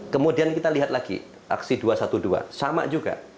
kemudian kita lihat lagi aksi dua ratus dua belas sama juga